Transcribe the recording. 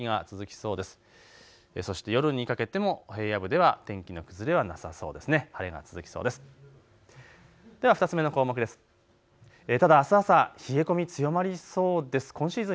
そして夜にかけても平野部では天気の崩れはなさそうですね。